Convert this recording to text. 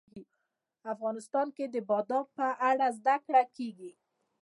افغانستان کې د بادام په اړه زده کړه کېږي.